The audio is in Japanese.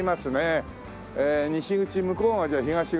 西口向こうがじゃあ東口。